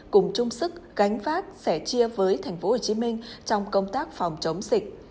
cùng chung sức gánh vác sẻ chia với tp hcm trong công tác phòng chống dịch